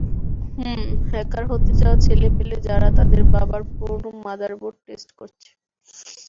হুম, hacker হতে চাওয়া ছেলেপেলে যারা তাদের বাবার পুরনো মাদারবোর্ড টেস্ট করছে।